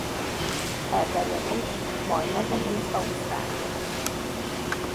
Elterjedés Majdnem egész Ausztrália.